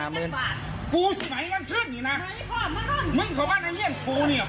ปลูกกูเค้าร้านการเนี่ยเมื่อเปิดแน่นอนในเยี่ยงกูเนี่ย